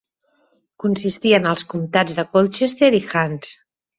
Consistia en els comtats de Colchester i Hants.